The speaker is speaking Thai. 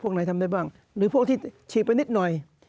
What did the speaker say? ไหนทำได้บ้างหรือพวกที่ฉีดไปนิดหน่อย